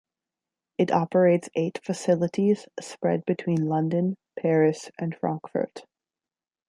It operates eight facilities spread between London, Paris and Frankfurt.